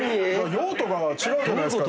用途が違うじゃないですか